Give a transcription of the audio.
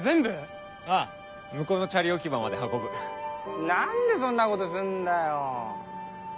向こうのチャリ置き場まで運ぶ何でそんなことすんだよ